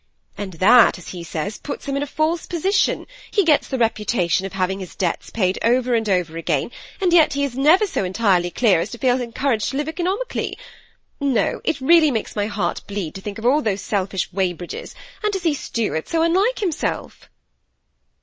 And that, as he says, puts him in a false position ; he gets the reputation of having his debts paid over and over again ; and yet he is never so entirely clear as to feel encouraged to live economically. No, it really makes my heart bleed to think of all those selfish Weybridges, and to see Stuart so unlike himself."